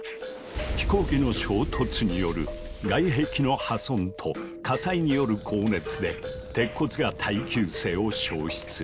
「飛行機の衝突による外壁の破損と火災による高熱で鉄骨が耐久性を消失。